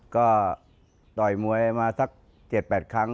ก็ต่อยมวยมาสัก๗๘ครั้ง